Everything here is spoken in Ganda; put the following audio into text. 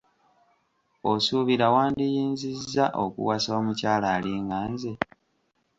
Osuubira wandiyinzizza okuwasa omukyala alinga nze?